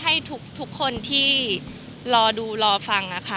ให้ทุกคนที่รอดูรอฟังนะคะ